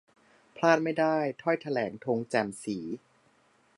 พลาดไม่ได้ ! ถ้อยแถลง 'ธง แจ่มศรี'